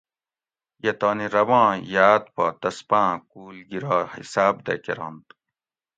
یہ تانی رباں یاۤد پا تسپاۤں کُول گِرا حِساۤب دہ کرنت